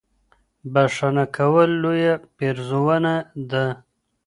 بښنه کول لويه پېرزوينه ده.